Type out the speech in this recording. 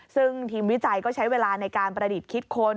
ซึ่งทีมวิจัยก็ใช้เวลาในการประดิษฐ์คิดค้น